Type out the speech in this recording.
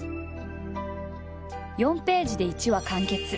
４ページで一話完結。